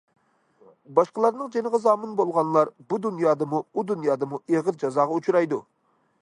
‹‹ باشقىلارنىڭ جېنىغا زامىن بولغانلار بۇ دۇنيادىمۇ، ئۇ دۇنيادىمۇ ئېغىر جازاغا ئۇچرايدۇ!››.